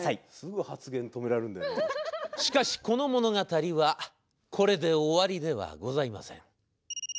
しかし、この物語はこれで終わりではございません。